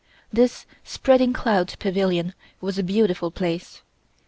This "spreading cloud" pavilion was a beautiful Palace.